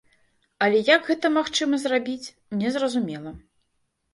Але як гэта магчыма зрабіць, незразумела.